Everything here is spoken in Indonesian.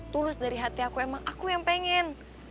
tulus dari hati aku emang aku yang pengen